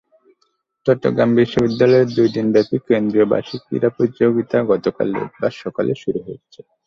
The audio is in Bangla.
চট্টগ্রাম বিশ্ববিদ্যালয়ের দুই দিনব্যাপী কেন্দ্রীয় বার্ষিক ক্রীড়া প্রতিযোগিতা গতকাল রোববার সকালে শুরু হয়েছে।